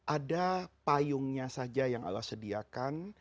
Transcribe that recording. ada payungnya saja yang allah sediakan